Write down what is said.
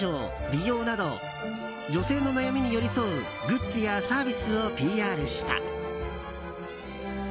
美容など女性の悩みに寄り添うグッズやサービスをＰＲした。